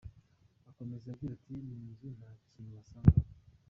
Akomeza agira ati "Mu nzu nta kintu wasangagamo.